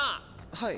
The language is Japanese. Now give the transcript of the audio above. はい。